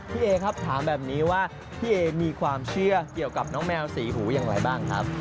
พี่เอครับถามแบบนี้ว่าพี่เอมีความเชื่อเกี่ยวกับน้องแมวสีหูอย่างไรบ้างครับ